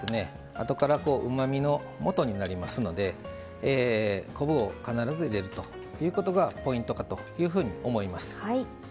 あとからうまみのもとになりますので昆布を必ず入れるということがポイントかというふうに思います。